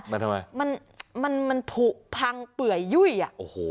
มันทำไมมันมันผูกพังเปื่อยยุ่ยอ่ะโอ้โห